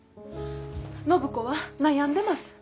暢子は悩んでます。